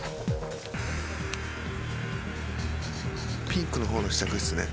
ピンクの方の試着室ね。